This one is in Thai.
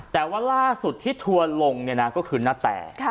แต่ว่าล่าสุดที่ทัวร์ลงเนี่ยนะก็คือนาแต